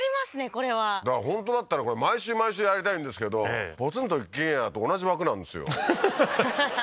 これはだから本当だったらこれ毎週毎週やりたいんですけどポツンと一軒家と同じ枠なんですよははは